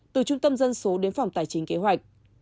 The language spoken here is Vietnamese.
từ trung tâm dân số đến phòng tài chính kế hoạch